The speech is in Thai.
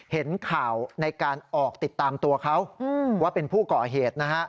เห็นข่าวในการออกติดตามตัวเขาว่าเป็นผู้ก่อเหตุนะฮะ